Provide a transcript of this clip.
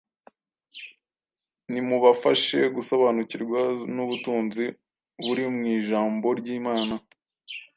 Nimubafashe gusobanukirwa n’ubutunzi buri mu ijambo ry’Imana,